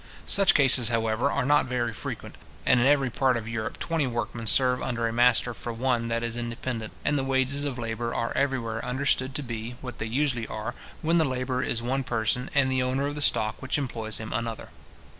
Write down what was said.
Such cases, however, are not very frequent; and in every part of Europe twenty workmen serve under a master for one that is independent, and the wages of labour are everywhere understood to be, what they usually are, when the labourer is one person, and the owner of the stock which employs him another.